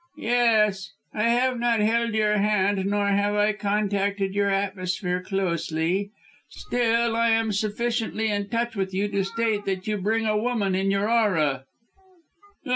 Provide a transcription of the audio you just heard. "Yes. I have not held your hand nor have I contacted your atmosphere closely. Still, I am sufficiently in touch with you to state that you bring a woman in your aura."